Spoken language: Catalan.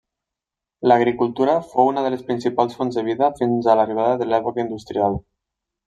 L'agricultura fou una de les principals fonts de vida fins a l'arribada de l'època industrial.